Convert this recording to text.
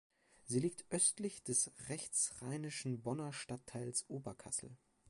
Sie liegt östlich des rechtsrheinischen Bonner Stadtteils Oberkassel.